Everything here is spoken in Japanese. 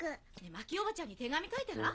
マキおばちゃんに手紙書いたら？